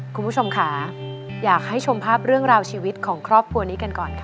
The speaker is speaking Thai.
คุณผู้ชมค่ะอยากให้ชมภาพเรื่องราวชีวิตของครอบครัวนี้กันก่อนค่ะ